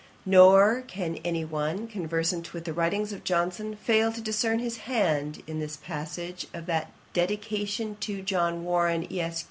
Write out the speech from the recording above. Nor can any one, conversant with the writings of Johnson, fail to discern his hand in this passage of the Dedication to John Warren, Esq.